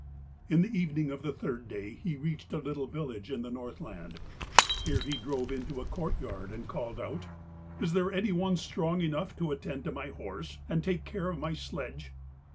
In the evening of the third day he reached a little village in the Northland. Here he drove into a courtyard and called out: 'Is there any one strong enough to attend to my horse and take care of my sledge.'